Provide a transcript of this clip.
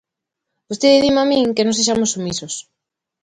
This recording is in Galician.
Vostede dime a min que non sexamos submisos.